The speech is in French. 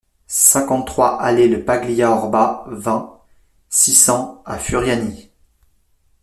cinquante-trois allée le Paglia Orba, vingt, six cents à Furiani